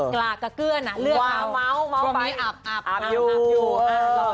กรากกะเกื้อนเลือกเผาม้าวม้าวไฟอับอับอับอับอับอับอยู่